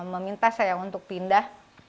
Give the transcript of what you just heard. meminta saya untuk pindah